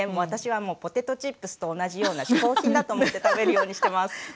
私はもうポテトチップスと同じような嗜好品だと思って食べるようにしてます。